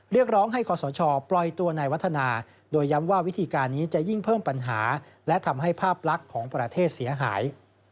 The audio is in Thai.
เรียกร้องให้ขอสชปล่อยตัวในวัฒนาโดยย้ำว่าวิธีการนี้จะยิ่งเพิ่มปัญหาและทำให้ภาพลักษณ์ของประเทศเสียหาย